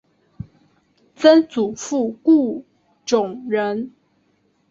曾祖父顾仲仁。